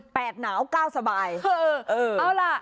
หนาวเก้าสบายเออเออเอาล่ะ